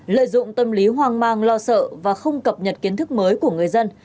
lợi dụng tâm lý hoang mang lo sợ và không cập nhật kiến thức mới của người dân